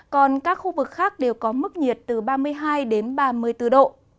còn các khu vực khác đều có mức nhiệt từ ba mươi hai đến ba mươi bốn độ